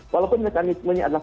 walaupun mekanismenya adalah